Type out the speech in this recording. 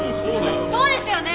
そうですよね！